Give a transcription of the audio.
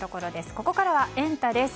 ここからはエンタ！です。